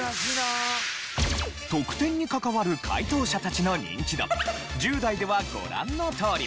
得点に関わる解答者たちのニンチド１０代ではご覧のとおり。